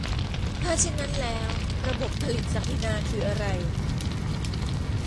ถ้าเช่นนั้นแล้วระบบผลิตศักดินาคืออะไร ?